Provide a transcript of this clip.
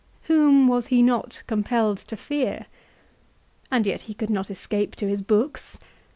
Whom was he not compelled to fear ? And yet he could not escape to his books.